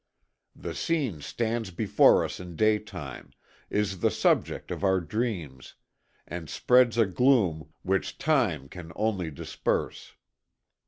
"The scene stands before us in daytime, is the subject of our dreams, and spreads a gloom which time can only disperse.